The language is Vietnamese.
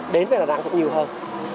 đến về đà nẵng cũng nhiều hơn